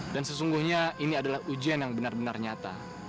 dan sesungguhnya ini adalah ujian yang benar benar nyata